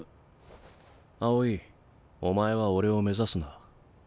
青井お前は俺を目指すな。